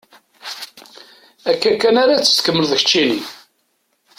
Akka kan ara tt-tkemmleḍ keččini?